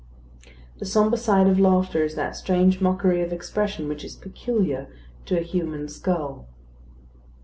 The sombre side of laughter is that strange mockery of expression which is peculiar to a human skull.